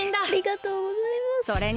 ありがとうございます。